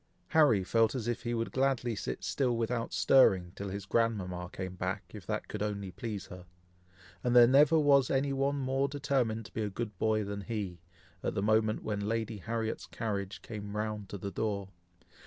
Harry felt as if he would gladly sit still without stirring, till his grandmama came back, if that could only please her; and there never was any one more determined to be a good boy than he, at the moment when Lady Harriet's carriage came round to the door.